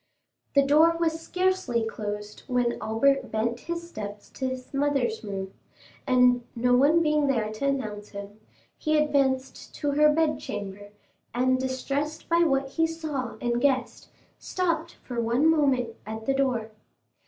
The door was scarcely closed when Albert bent his steps to his mother's room; and, no one being there to announce him, he advanced to her bedchamber, and distressed by what he saw and guessed, stopped for one moment at the door.